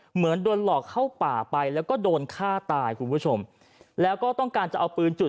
เหมือนโดนหลอกเข้าป่าไปแล้วก็โดนฆ่าตายคุณผู้ชมแล้วก็ต้องการจะเอาปืนจุด